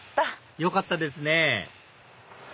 よかったですね